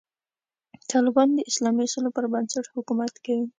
طالبان د اسلامي اصولو پر بنسټ حکومت کوي.